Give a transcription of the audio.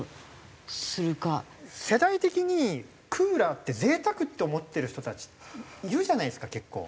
世代的に「クーラーって贅沢」って思ってる人たちいるじゃないですか結構。